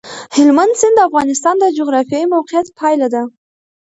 هلمند سیند د افغانستان د جغرافیایي موقیعت پایله ده.